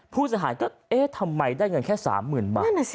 ผู้เสียหายก็เอ๊ะทำไมได้เงินแค่๓๐๐๐บาท